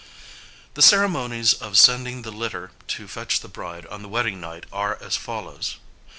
The ceremonies of sending the litter to fetch the bride on the wedding night are as follows.